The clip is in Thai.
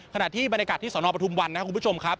ขณะที่บรรยากาศที่สนปทุมวันนะครับคุณผู้ชมครับ